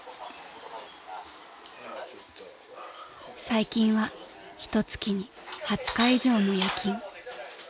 ［最近はひと月に２０日以上も夜勤］